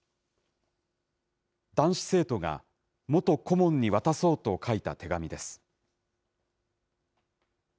男子生徒が、元顧問に渡そうと書いた手紙です。